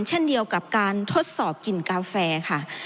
เช่นเดียวกับการทดสอบกลิ่นกาแฟค่ะ